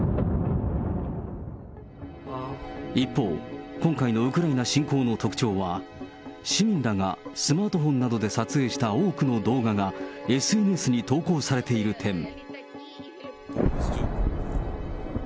一方、今回のウクライナ侵攻の特徴は、市民らがスマートフォンなどで撮影した多くの動画がＳＮＳに投稿されている点。